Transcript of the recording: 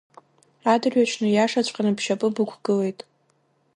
Адырҩаҽны, ииашаҵәҟьаны, бшьапы бықәгылеит!